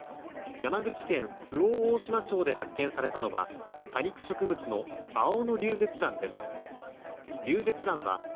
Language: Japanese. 山口県周防大島町で発見されたのは多肉植物のアオノリュウゼツランです。